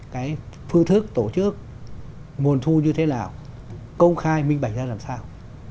cái phương thức tổ chức nguồn thu như thế nào công khai minh bạch ra làm sao